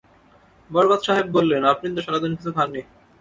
বরকত সাহেব বললেন, আপনি তো সারা দিন কিছু খান নি।